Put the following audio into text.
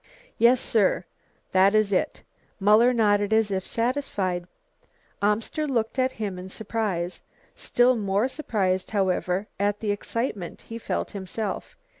"Yes, sir, that is it." Muller nodded as if satisfied. Amster looked at him in surprise, still more surprised, however, at the excitement he felt himself.